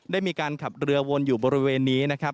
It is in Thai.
ได้มีการขับเรือวนอยู่บริเวณนี้นะครับ